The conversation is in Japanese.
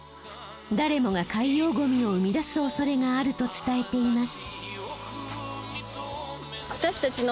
誰もが海洋ゴミを生み出すおそれがあると伝えています。